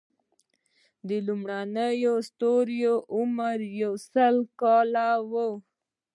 د لومړنیو ستورو عمر یو سل ملیونه کاله و.